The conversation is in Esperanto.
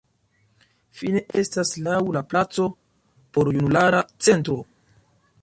Fine estas laŭ la placo Porjunulara Centro.